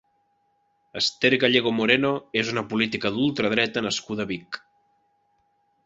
Ester Gallego Moreno és una política d'ultradreta nascuda a Vic.